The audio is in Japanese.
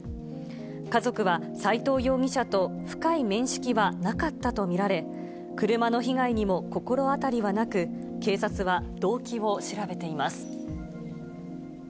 家族は斎藤容疑者と深い面識はなかったと見られ、車の被害にも心当たりはなく、警察は動機を調べています。